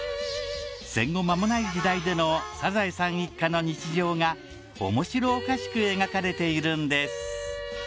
戦後間もない時代でのサザエさん一家の日常が面白おかしく描かれているんです